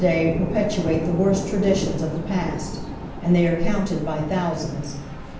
17 day perpetuate tlie worst traditions of the past, and they are counted by thousands.